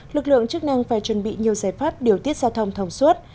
lực lượng chức năng phải chuẩn bị nhiều giải pháp điều tiết giao thông thông suốt